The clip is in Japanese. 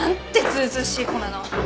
ずうずうしい子なの。